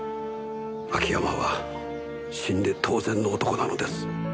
秋山は死んで当然の男なのです。